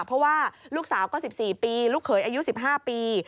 เพราะว่าลูกสาวก็๑๔ปีลูกเขยอายุ๑๕ปี